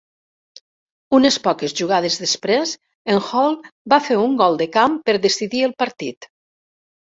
Unes poques jugades després, en Hall va fer un gol de camp per decidir el partit.